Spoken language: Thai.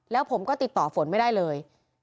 แล้วผมก็ติดต่อฝนไม่ได้เลย